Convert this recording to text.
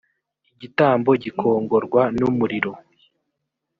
igitambo gikongorwa n umuriro